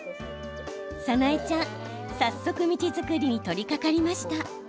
紗七恵ちゃん、早速道作りに取りかかりました。